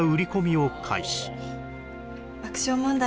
爆笑問題